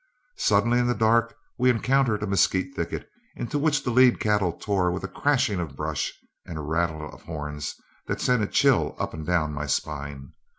Suddenly in the dark we encountered a mesquite thicket into which the lead cattle tore with a crashing of brush and a rattle of horns that sent a chill up and down my spine.